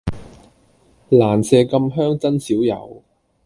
蘭麝咁香真少有